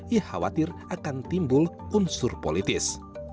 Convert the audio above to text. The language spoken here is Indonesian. ia khawatir akan timbul unsur politis